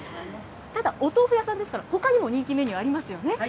ただお豆腐屋さんですから、ほかにも人気メニューありますよね。